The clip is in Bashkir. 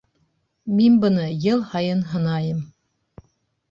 Мин быны йыл һайын һынайым.